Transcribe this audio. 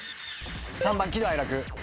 ３番喜怒哀楽。